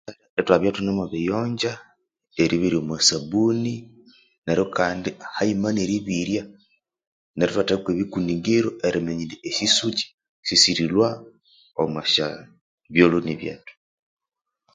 Eh Ithwabya ithunemubiyonja eribyerya omwasabuni neryo kandi hayima neribyerya neritheka kwe bikuningiru eriminya indi esisukyi sisirilhwa omwa sya ebyoloni byethu